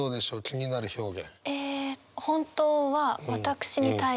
気になる表現。